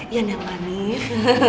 ian yang manis